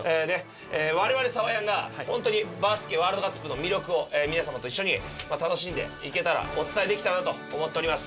我々サワヤンが本当にバスケワールドカツプの魅力を皆様と一緒に楽しんでいけたらお伝えできたらなと思っております。